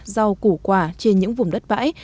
rau củ quả trên những vùng đất bãi